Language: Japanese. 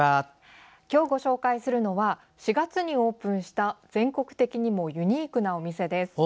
今日ご紹介するのは４月にオープンした全国的にもユニークなお店です。